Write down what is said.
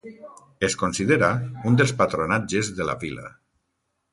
Es considera un dels patronatges de la vila.